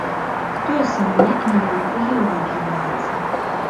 Тое самае і на рынку еўра адбываецца.